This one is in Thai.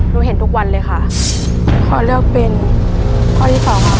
เห็นทุกวันเลยค่ะขอเลือกเป็นข้อที่สองค่ะ